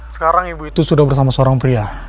sekarang ibu itu sudah bersama seorang pria